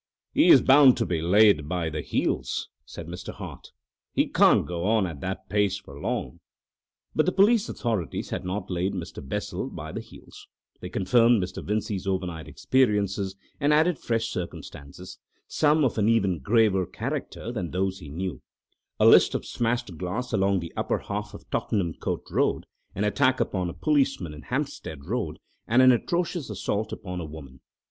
"He is bound to be laid by the heels," said Mr. Hart. "He can't go on at that pace for long." But the police authorities had not laid Mr. Bessel by the heels. They confirmed Mr. Vincey's overnight experiences and added fresh circumstances, some of an even graver character than those he knew—a list of smashed glass along the upper half of Tottenham Court Road, an attack upon a policeman in Hampstead Road, and an atrocious assault upon a woman.